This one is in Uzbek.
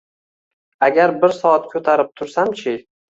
Agar bir soat ko`tarib tursam-chi